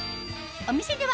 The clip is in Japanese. お店では